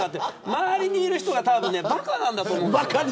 周りにいる人が、たぶんばかなんだと思う。